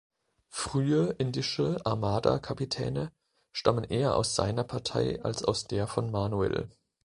Frühe indische Armada-Kapitäne stammen eher aus seiner Partei als aus der von Manuel.